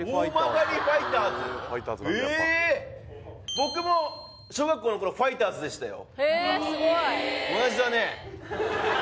僕も小学校の頃ファイターズでしたよ